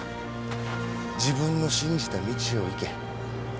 自分の信じた道を行け。